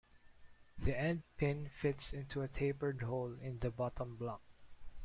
The endpin fits into a tapered hole in the bottom block.